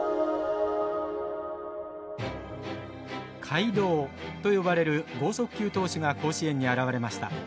怪童と呼ばれる剛速球投手が甲子園に現れました。